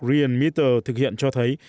rian meter thực hiện cho thấy